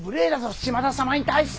島田様に対して！